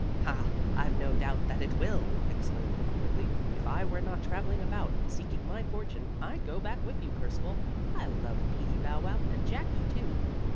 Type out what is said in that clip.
"Ha! I've no doubt that it will!" exclaimed Uncle Wiggily. "If I were not traveling about, seeking my fortune, I'd go back with you, Percival. I love Peetie Bow Wow, and Jackie, too."